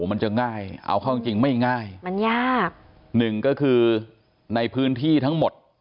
มันจะง่ายเอาเข้าจริงจริงไม่ง่ายมันยากหนึ่งก็คือในพื้นที่ทั้งหมด